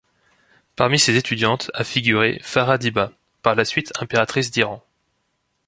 Parmi ses étudiantes a figuré Farah Diba, par la suite impératrice d'Iran.